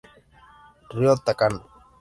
Ryo Takano